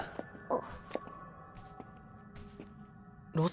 あっ！